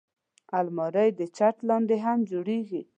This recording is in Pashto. الماري د چت لاندې هم جوړېږي